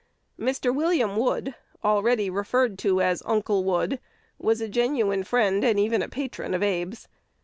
Mr. William Wood, already referred to as "Uncle Wood," was a genuine friend and even a patron of Abe's.